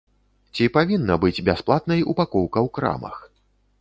Ці павінна быць бясплатнай упакоўка ў крамах?